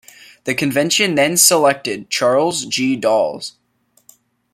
The convention then selected Charles G. Dawes.